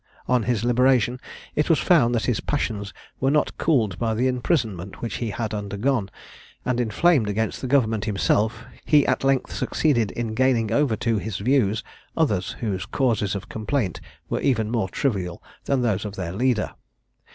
On his liberation it was found that his passions were not cooled by the imprisonment which he had undergone; and inflamed against the government himself, he at length succeeded in gaining over to his views others whose causes of complaint were even more trivial than those of their leader.